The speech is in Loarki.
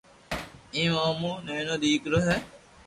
ايڪ او مو نينيو ديڪرو ھي